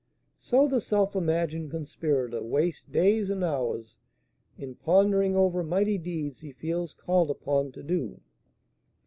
So the self imagined conspirator wastes days and hours in pondering over mighty deeds he feels called upon to do.